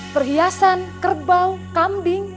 perhiasan kerbau kambing